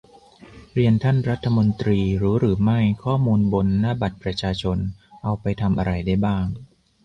เรียนท่านรัฐมนตรี รู้หรือไม่ ? ข้อมูลบน 'หน้าบัตรประชาชน' เอาไปทำอะไรได้บ้าง